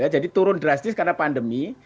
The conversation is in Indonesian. turun drastis karena pandemi